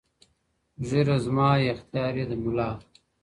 ¬ ږيره زما، اختيار د ملا.